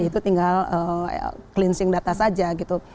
itu tinggal cleansing data saja gitu